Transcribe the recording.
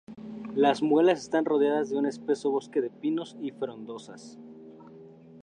Las muelas están rodeadas de un espeso bosque de pinos y frondosas.